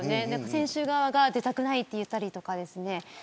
選手側が出たくないと言ったりとか。